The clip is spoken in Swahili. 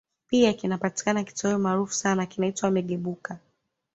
Pia kinapatikana kitoweo maarufu sana kinaitwa Migebuka